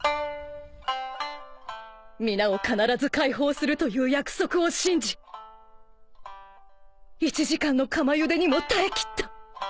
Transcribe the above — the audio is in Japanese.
皆を必ず解放するという約束を信じ１時間の釜ゆでにも耐えきった。